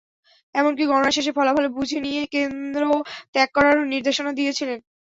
এমনকি গণনা শেষে ফলাফল বুঝে নিয়ে কেন্দ্র ত্যাগ করারও নির্দেশনা দিয়েছিলেন।